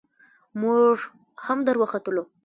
موږ هم ور وختلو.